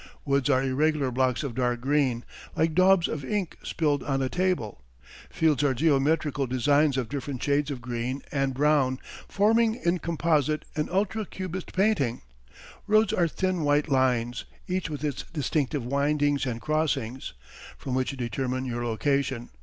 Woods are irregular blocks of dark green, like daubs of ink spilled on a table; fields are geometrical designs of different shades of green and brown, forming in composite an ultra cubist painting; roads are thin white lines, each with its distinctive windings and crossings from which you determine your location.